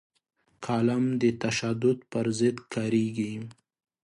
قلم د تشدد پر ضد کارېږي